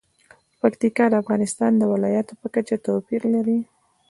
پکتیکا د افغانستان د ولایاتو په کچه توپیر لري.